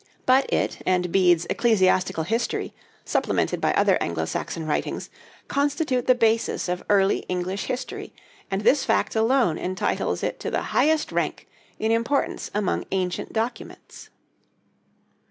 But it and Bede's 'Ecclesiastical History,' supplemented by other Anglo Saxon writings, constitute the basis of early English history; and this fact alone entitles it to the highest rank in importance among ancient documents.